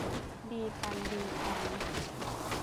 ตีกัน ตีกัน